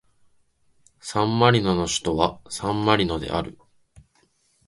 サンマリノの首都はサンマリノである